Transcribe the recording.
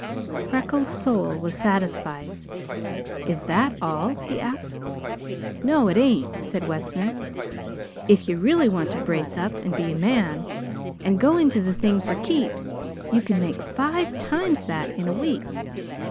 Freckles' soul was satisfied. "Is that all?" he asked. "No, it ain't," said Wessner. "If you really want to brace up and be a man and go into the thing for keeps, you can make five times that in a week.